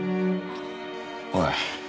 おい。